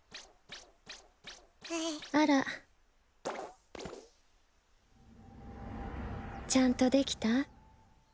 あらちゃんとできた？